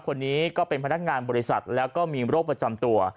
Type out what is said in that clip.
คนนี้ก็เป็นพนักงานบริษัทแล้วก็มีโรคประจำตัว